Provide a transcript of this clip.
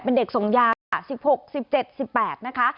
เป็นเด็กส่งยาค่ะ๑๖๑๗๑๘นะคะ